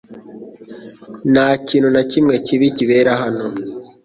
Nta kintu nakimwe kibi kibera hano